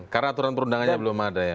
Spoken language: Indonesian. karena aturan perundangannya belum ada ya